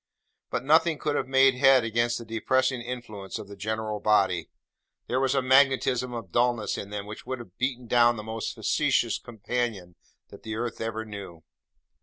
But nothing could have made head against the depressing influence of the general body. There was a magnetism of dulness in them which would have beaten down the most facetious companion that the earth ever knew.